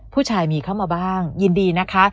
ผู้ชายมีเข้ามาบ้างยินดีนะคะ